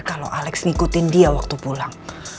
kalau alex ngikutin dia waktu pulang